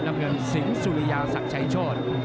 น้ำเงินสิงสุริยาศักดิ์ชัยโชธ